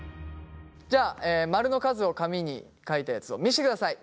じゃあマルの数を紙に書いたやつを見せてください。